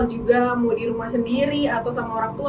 juga mau di rumah sendiri atau sama orang tua